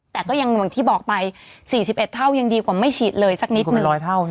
แต่ก็ยังเหมือนที่บอกไป๔๑เท่ายังดีกว่าไม่ฉีดเลยสักนิดหนึ่ง